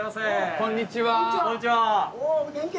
こんにちは。